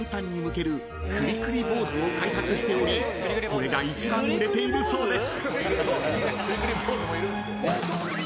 ［開発しておりこれが一番売れているそうです］